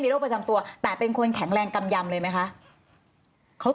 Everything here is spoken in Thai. โรคประจำตัวแต่เป็นคนแข็งแรงกำยำเลยไหมคะเขา